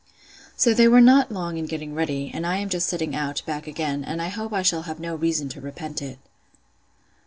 So they were not long getting ready; and I am just setting out, back again: and I hope I shall have no reason to repent it.